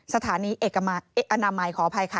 สถานีเอกอนามัยขออภัยค่ะ